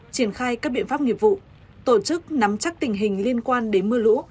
triển khai các biện pháp nghiệp vụ tổ chức nắm chắc tình hình liên quan đến mưa lũ